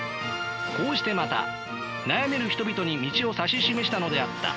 こうしてまた悩める人々に道を指し示したのであった。